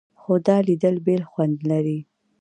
خو دا لیدل بېل خوند لري.